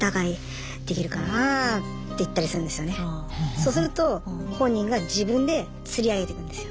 そうすると本人が自分でつり上げていくんですよ。